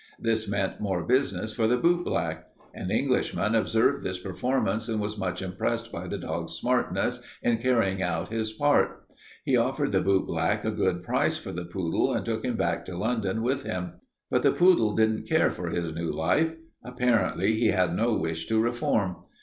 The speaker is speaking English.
This meant more business for the bootblack. An Englishman observed this performance and was much impressed by the dog's smartness in carrying out his part. He offered the bootblack a good price for the poodle and took him back to London with him. But the poodle didn't care for his new life; apparently he had no wish to reform.